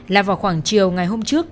là vào khoảng chiều ngày hôm trước